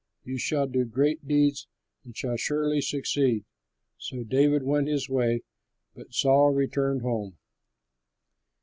You shall do great deeds and shall surely succeed!" So David went his way, but Saul returned home.